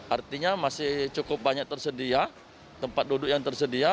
artinya masih cukup banyak tersedia tempat duduk yang tersedia